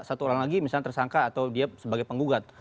satu orang lagi misalnya tersangka atau dia sebagai penggugat